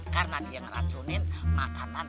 karena dia ngeracunin makanan buat anak anak